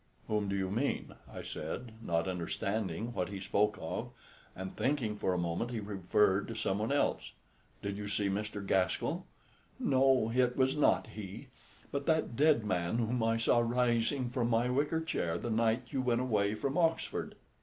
"Whom do you mean?" I said, not understanding what he spoke of, and thinking for a moment he referred to someone else. "Did you see Mr. Gaskell?" "No, it was not he; but that dead man whom I saw rising from my wicker chair the night you went away from Oxford."